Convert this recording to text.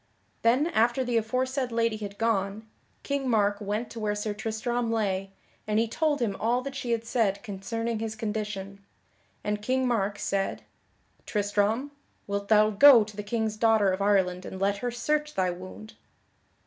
Then after the aforesaid lady had gone, King Mark went to where Sir Tristram lay, and he told him all that she had said concerning his condition; and King Mark said: "Tristram, wilt thou go to the King's daughter of Ireland and let her search thy wound?"